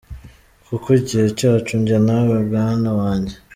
Kuko igihe cyacu njye nawe mwana wanjye.